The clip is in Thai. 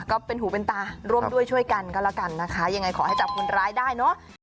ก็เป็นหูเป็นตาร่วมด้วยช่วยกันก็แล้วกันนะคะยังไงขอให้จับคนร้ายได้เนอะ